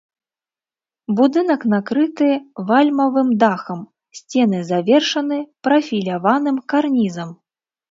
Будынак накрыты вальмавым дахам, сцены завершаны прафіляваным карнізам.